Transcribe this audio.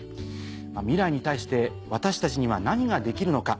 未来に対して私たちには何ができるのか。